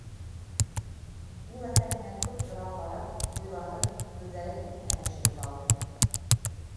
Ул әсәһенә туп-тура ҡарап, уйланып, һүҙҙәрен иҫенә төшөрөп алды.